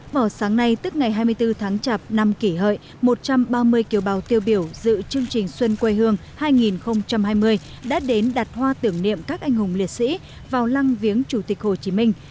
vào sáng nay tức ngày hai mươi bốn tháng chạp năm kỷ hợi một trăm ba mươi kiều bào tiêu biểu dự chương trình xuân quê hương hai nghìn hai mươi đã đến đặt hoa tưởng niệm các anh hùng liệt sĩ vào lăng viếng chủ tịch hồ chí minh